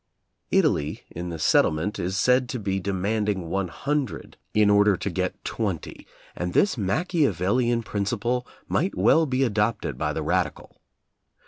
Italy in the settlement is said to be de manding one hundred in order to get twenty, and this Machiavellian principle might well be adopted by the radical.